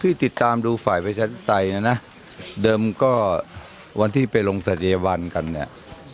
คือพี่ติดตามดูฝ่ายประชาติไตรนะเดิมก็วันที่ไปลงสัญญาวันกันเนี่ย